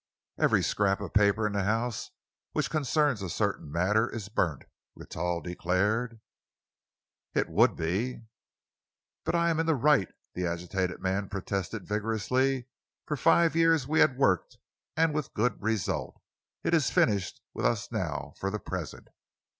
"Every scrap of paper in the house which concerns a certain matter is burnt," Rentoul declared. "It would be!" "But I am in the right," the agitated man protested vigorously. "For five years we have worked and with good result. It is finished with us now for the present.